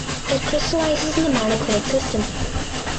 It crystallizes in the monoclinic system.